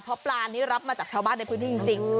เพราะปลานี้รับมาจากชาวบ้านในพื้นที่จริง